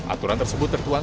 aturan tersebut tertuang